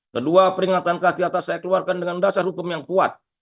kedua peringatan kasih atas saya keluarkan dengan dasar hukum yang kuat